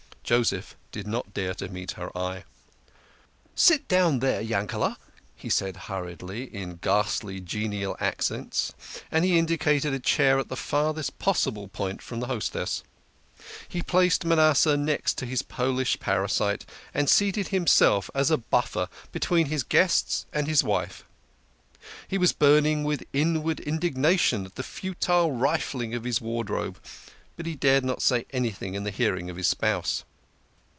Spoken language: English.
Joseph did not dare meet her eye. AND THIS IS YANKELE BEN YITZCHOK,' ADDED MANASSEH. 46 THE KING OF SCHNORRERS. " Sit down there, Yankele"," he said hurriedly, in ghastly genial accents, and he indicated a chair at the farthest pos sible point from the hostess. He placed Manasseh next to his Polish parasite, and seated himself as a buffer between his guests and his wife. He was burning with inward indig nation at the futile rifling of his wardrobe, but he dared not say anything in the hearing of his spouse.